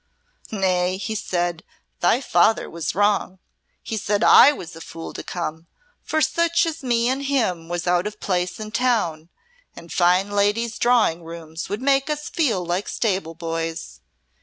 "Nay," he said, "thy father was wrong. He said I was a fool to come, for such as me and him was out of place in town, and fine ladies' drawing rooms would make us feel like stable boys.